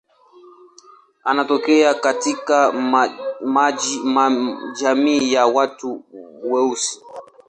Anatokea katika jamii ya watu weusi.